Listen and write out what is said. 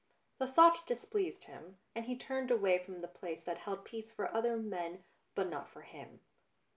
The thought displeased him, and he turned away from the place that held peace for other men but not for him.